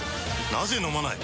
なぜ飲まない？